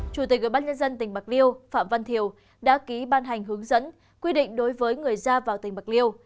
chủ tịch ủy ban nhân dân tỉnh bạc liêu phạm văn thiều đã ký ban hành hướng dẫn quy định đối với người ra vào tỉnh bạc liêu